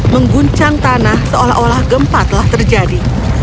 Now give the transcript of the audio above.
mengguncang tanah seolah olah gempa telah terjadi